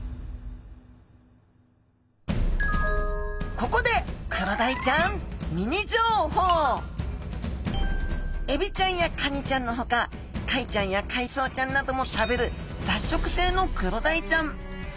ここでエビちゃんやカニちゃんのほか貝ちゃんや海藻ちゃんなども食べる雑食性のクロダイちゃん。